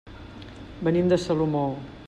Venim de Salomó.